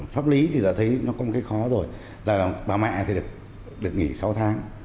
pháp lý thì đã thấy nó có một cái khó rồi là bà mẹ thì được nghỉ sáu tháng